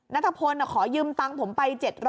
นัทธพลนเขายืมตั้งผมไป๗๐๐บาท